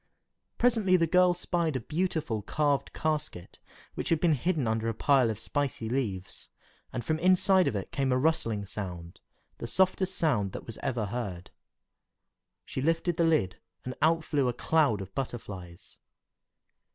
Presently the girl spied a beautiful carved casket, which had been hidden under a pile of spicy leaves, and from inside of it came a rustling sound, the softest sound that was ever heard. She lifted the lid, and out flew a cloud of butterflies.